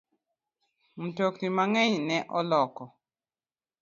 Mtokni mang'eny ne oloko